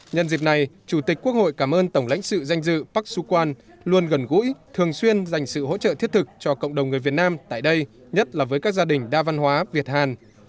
nhân dịp này chủ tịch quốc hội cảm ơn tổng lãnh sự danh dự park su quan luôn gần gũi thường xuyên dành sự hỗ trợ thiết thực cho cộng đồng người việt nam tại đây nhất là với các gia đình đa văn hóa việt hàn